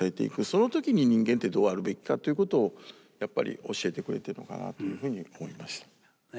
その時に人間ってどうあるべきかということをやっぱり教えてくれているのかなというふうに思います。